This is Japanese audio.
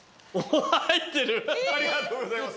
ありがとうございます。